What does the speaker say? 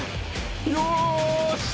よし！